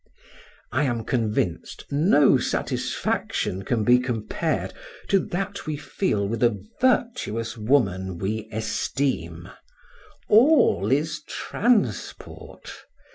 I am convinced no satisfaction can be compared to that we feel with a virtuous woman we esteem; all is transport!